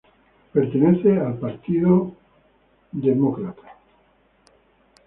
Pertenece al partido demócrata.